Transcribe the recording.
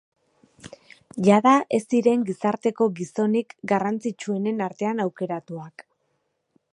Jada, ez ziren gizarteko gizonik garrantzitsuenen artean aukeratuak.